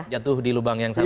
jatuh di lubang yang sama